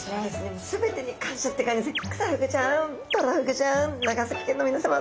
もう全てに感謝って感じですね。